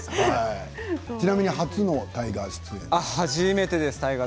ちなみに初の大河出演ですか？